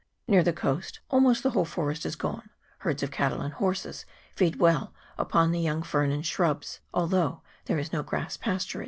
Near the coast almost the whole forest is gone ; herds of cattle and horses feed well upon the young fern and shrubs, although there is no grass pasturage.